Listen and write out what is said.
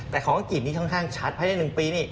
แต่ของอังกฤษนี้ค่อนข้างชัดภายใน๑ปีนี่